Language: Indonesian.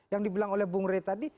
yang dibilang oleh bung rey tadi